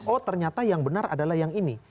oh ternyata yang benar adalah yang ini